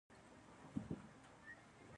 یوازې غنم خوړل بس نه دي.